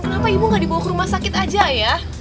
kenapa ibu nggak dibawa ke rumah sakit aja ya